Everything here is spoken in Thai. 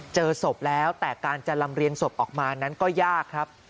เจอศพแล้วแต่การจะลำเรียงศพออกมานั้นก็ยากครับ